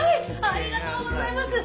ありがとうございます！